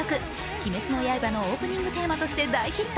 「鬼滅の刃」のオープニングテーマとして大ヒット。